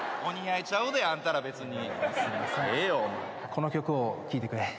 この曲を聞いてくれ。